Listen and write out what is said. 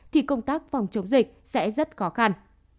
thì công tác phòng chống dịch sẽ rất khó khăn